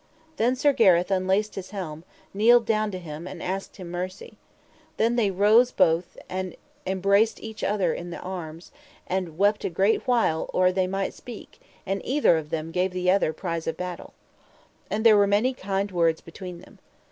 Then Sir Gareth unlaced his helm, and kneeled down to him, and asked him mercy. Then they rose both, and embraced either other in their arms, and wept a great while or they might speak, and either of them gave other the prize of the battle. And there were many kind words between them.